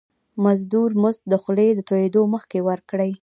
د مزدور مزد د خولي د تويدو مخکي ورکړی.